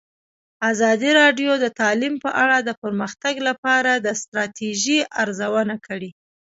ازادي راډیو د تعلیم په اړه د پرمختګ لپاره د ستراتیژۍ ارزونه کړې.